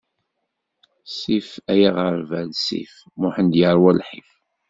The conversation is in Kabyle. Sif ay aɣerbal, sif; Muḥend yerwa lḥif!